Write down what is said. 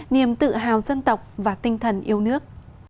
niềm tự hào dân tộc và tinh thần yêu nước